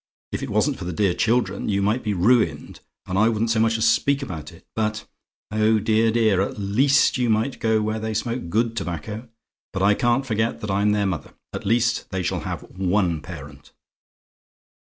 If it wasn't for the dear children, you might be ruined and I wouldn't so much as speak about it, but oh, dear, dear! at least you might go where they smoke GOOD tobacco but I can't forget that I'm their mother. At least, they shall have ONE parent.